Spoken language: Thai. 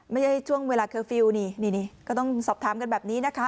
ไม่ใช่ช่วงเวลานี่นี่นี่ก็ต้องสอบถามกันแบบนี้นะคะ